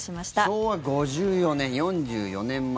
昭和５４年、４４年前。